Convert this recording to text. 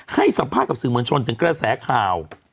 ให้สัมภาษณ์กับสื่อมวลชนถึงกระแสข่าว